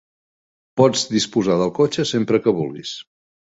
Pots disposar del cotxe sempre que vulguis.